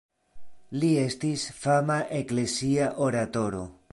Li estis fama eklezia oratoro.